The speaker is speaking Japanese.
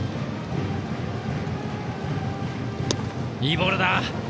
いいボールだ！